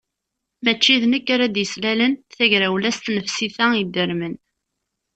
Mačči d nekk ara d-yeslalen tagrawla s tnefsit-a idermen.